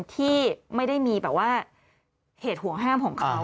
ที่ไม่ได้มีแบบว่าเหตุห่วงห้ามของเขา